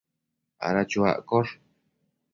ada chuaccosh